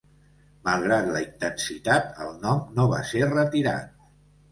Malgrat la intensitat, el nom no va ser retirat.